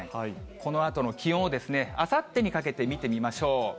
このあとの気温をあさってにかけて見てみましょう。